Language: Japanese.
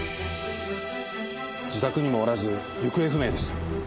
自宅にもおらず行方不明です。